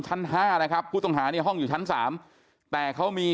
ชั้นห้านะครับผู้ต้องหาในห้องอยู่ชั้น๓แต่เขามี